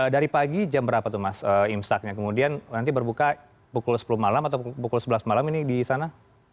dari pagi jam berapa tuh mas imsaknya kemudian nanti berbuka pukul sepuluh malam atau pukul sebelas malam ini di sana